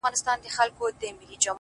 که ملامته يې نو يو ويښته دې کم سه گراني!